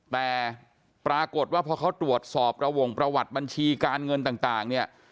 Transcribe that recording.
แต่ปรากฏว่าพอเขาตรวจสอบระวงประวัติบัญชีการเงินต่างเนี่ย